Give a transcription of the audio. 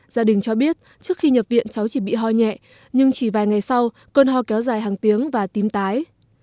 gia đình cho biết trước khi nhập viện cháu chỉ bị ho nhẹ nhưng chỉ vài ngày sau cơn ho kéo dài hàng tiếng và tím tái